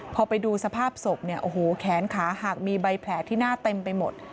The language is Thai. พอไปดูสภาพศพแขนขาหากมีใบแผลที่หน้าเต็มไปหมด